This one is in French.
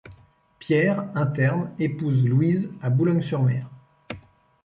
Pierre, interne, épouse Louise à Boulogne-sur-Mer.